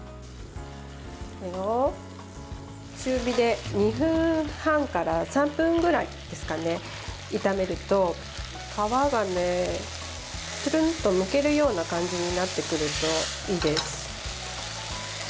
これを中火で２分半から３分ぐらい炒めると皮がつるんとむけるような感じになってくるといいです。